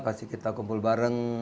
pasti kita kumpul bareng